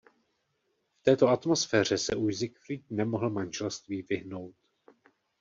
V této atmosféře se už Siegfried nemohl manželství vyhnout.